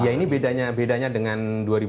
ya ini bedanya dengan